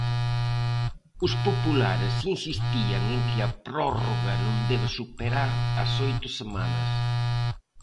Os populares insistían en que a prórroga non debe superar as oito semanas.